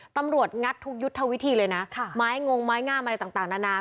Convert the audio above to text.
งัดทุกยุทธวิธีเลยนะไม้งงไม้งามอะไรต่างนานา